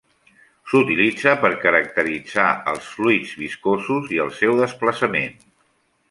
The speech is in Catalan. S'utilitza per caracteritzar els fluids viscosos i el seu desplaçament.